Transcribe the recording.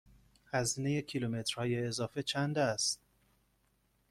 هزینه کیلومترهای اضافه چند است؟